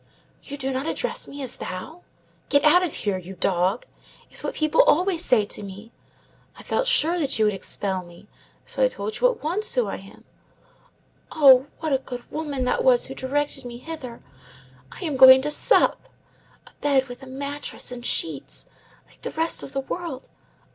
_ You do not address me as thou? 'Get out of here, you dog!' is what people always say to me. I felt sure that you would expel me, so I told you at once who I am. Oh, what a good woman that was who directed me hither! I am going to sup! A bed with a mattress and sheets, like the rest of the world!